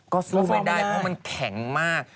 ก็สู้ไม่ได้เพราะมันแข็งมาก